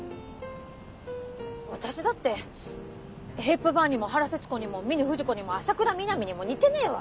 私だってヘプバーンにも原節子にも峰不二子にも浅倉南にも似てねえわ。